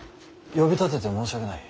呼び立てて申し訳ない。